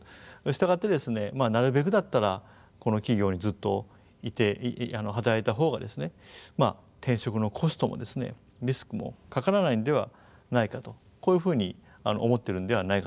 従ってなるべくだったらこの企業にずっといて働いた方が転職のコストもリスクもかからないんではないかとこういうふうに思ってるんではないかと思います。